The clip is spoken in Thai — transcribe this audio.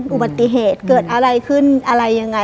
อุบัติเหตุเกิดอะไรขึ้นอะไรยังไง